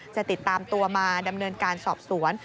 จะติดตามตัวมาดำเนินการสอบสวน